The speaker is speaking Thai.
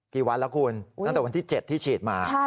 กี่วันแล้วคุณตั้งแต่วันที่๗ที่ฉีดมา